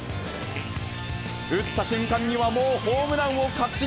打った瞬間にはもうホームランを確信。